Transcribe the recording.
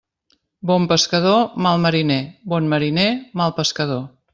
Bon pescador, mal mariner; bon mariner, mal pescador.